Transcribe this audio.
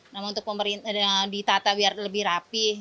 namun untuk ditata biar lebih rapih